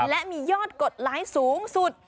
และมียอดกดไลค์สูงสุด